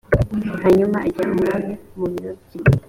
hanyuma ajya umwami mu biro bye